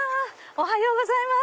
おはようございます！